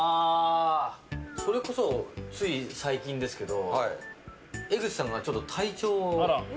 それこそつい最近ですけど。